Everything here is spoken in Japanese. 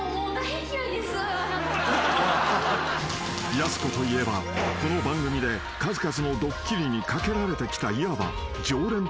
［やす子といえばこの番組で数々のドッキリにかけられてきたいわば］